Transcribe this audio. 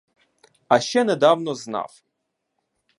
А ще недавно знав.